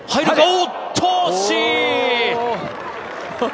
おっと惜しい！